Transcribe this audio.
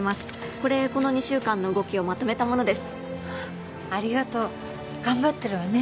これこの２週間の動きをまとめたものですありがとう頑張ってるわね